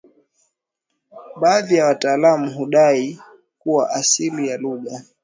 Baadhi ya wataalamu hudai kuwa asili ya lugha